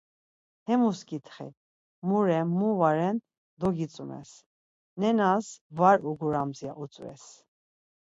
Hemus ǩitxi, mu ren mu va ren dogitzu-mels, nenas var ugurams’ ya utzves.